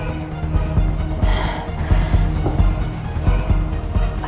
ini kenapa sih